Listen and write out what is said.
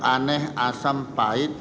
aneh asam pahit